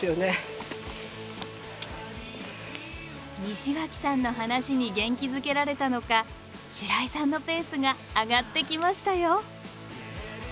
西脇さんの話に元気づけられたのか白井さんのペースが上がってきましたよ。